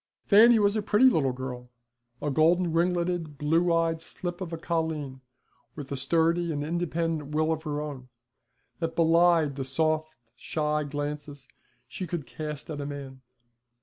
Fanny was a pretty little girl, a golden ringleted, blue eyed slip of a colleen, with a sturdy and independent will of her own, that belied the soft shy glances she could cast at a man.